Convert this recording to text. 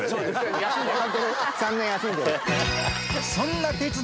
３年休んでる。